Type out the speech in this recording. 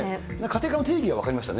家庭科の定義が分かりました